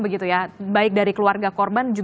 baik dari keluarga korban